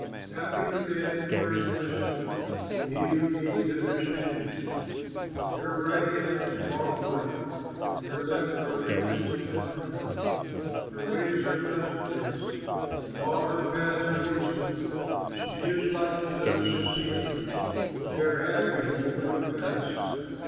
Happy the man who finds wisdom, And he who gains understanding. In her right hand is long life, In her left are riches and honor. Her ways are pleasant ways, And all her paths are peaceful. She gives life to those who seek her, They are happy who hold her fast.